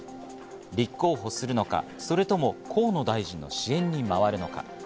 立候補するのか、それとも河野大臣の支援に回るのか。